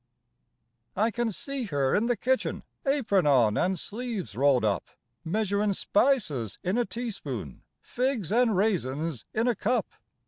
I can see her in the kitchen, Apron on and sleeves rolled up, Measurin' spices in a teaspoon, Figs and raisins in a cup.